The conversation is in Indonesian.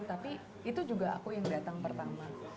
tapi itu juga aku yang datang pertama